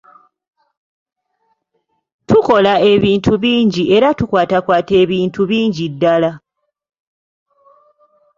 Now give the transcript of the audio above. Tukola ebintu bingi era tukwatakwata ebintu bingi ddala.